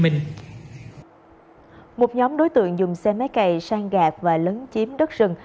một nhóm đối tượng dùng xe máy cày sang gạt và lấn chiếm đất rừng